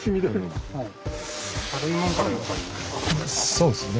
そうですね。